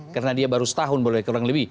karena dia baru setahun boleh kurang lebih